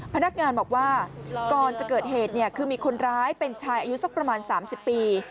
พนักงานบอกว่าก่อนจะเกิดเหตุคือมีคนร้ายเป็นชายอายุสักประมาณ๓๐ปี